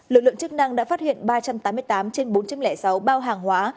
lực lượng chức năng đã phát hiện ba trăm tám mươi tám trên bốn sáu bao hàng hóa